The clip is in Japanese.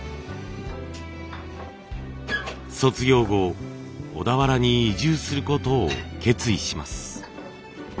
卒業後小田原に移住することを決意します。